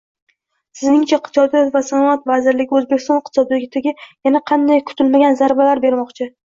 Sizningcha, Iqtisodiyot va sanoat vazirligi O'zbekiston iqtisodiyotiga yana qanday kutilmagan zarbalar bermoqchi?